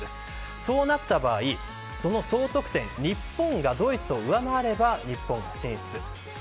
その場合、総得点日本がドイツを上回れば日本が進出。